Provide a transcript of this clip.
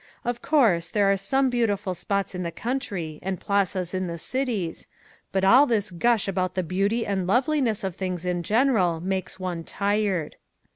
Of course, there are some beautiful spots in the country and plazas in the cities, but all this gush about the beauty and loveliness of things in general makes one tired.